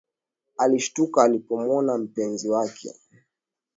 Alishtuka alipomwona mpenzi wake